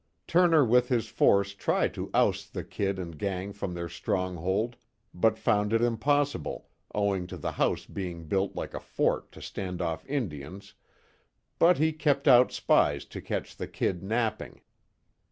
Turner with his force tried to oust the "Kid" and gang from their stronghold, but found it impossible, owing to the house being built like a fort to stand off Indians, but he kept out spies to catch the "Kid" napping.